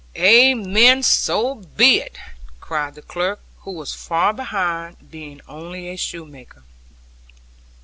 'Amen! So be it!' cried the clerk, who was far behind, being only a shoemaker.